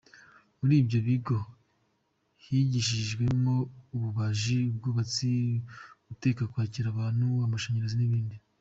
Muri ibyo bigo higishirizwamo ububaji, ubwubatsi, guteka , kwakira abantu, amashanyarazi n’ibindi .